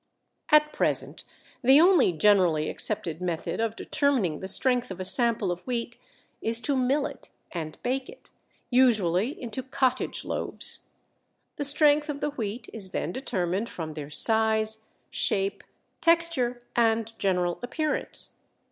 At present the only generally accepted method of determining the strength of a sample of wheat is to mill it and bake it, usually into cottage loaves. The strength of the wheat is then determined from their size, shape, texture, and general appearance.